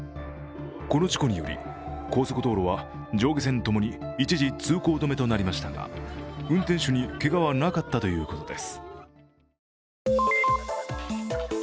この事故により、高速道路は上下線ともに一時、通行止めとなりましたが運転手にけがはなかったということです。